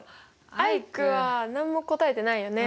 アイクは何も答えてないよね。